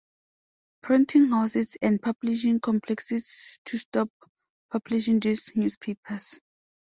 Printing houses and publishing complexes to stop publishing these newspapers.